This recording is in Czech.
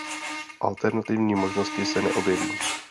Alternativní možnosti se neobjeví.